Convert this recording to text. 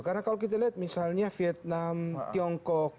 karena kalau kita lihat misalnya vietnam tiongkok